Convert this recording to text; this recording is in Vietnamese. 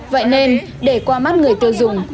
vậy nên để qua mắt người tiêu dùng